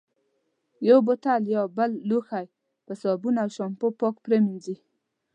یو بوتل یا بل لوښی په صابون او شامپو پاک پرېمنځي.